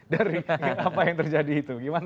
dari apa yang terjadi itu gimana